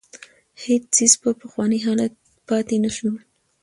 هېڅ څېز په پخواني حالت پاتې نه شول.